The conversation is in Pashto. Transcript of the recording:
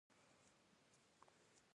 ما د پیرود اجناس په بکس کې کېښودل.